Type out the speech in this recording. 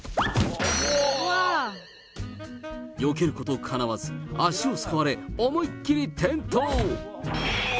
よけることかなわず、足をすくわれ、思いっ切り転倒。